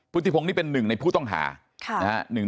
ติพงศ์นี่เป็นหนึ่งในผู้ต้องหานะฮะ